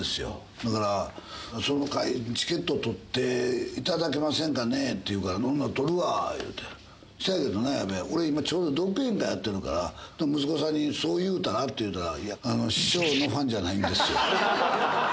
だから、その会のチケット取っていただけませんかねって言うから、ほんなら取るわ言うて、せやけど、俺今、ちょうど独演会やってるから、息子さんにそう言うたら？って言うたら、いや、師匠のファンじゃないんですよ。